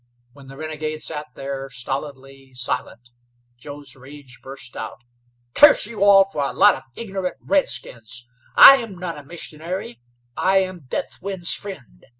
When the renegade sat there stolidly silent Joe's rage burst out. "Curse you all for a lot of ignorant redskins. I am not a missionary. I am Deathwind's friend.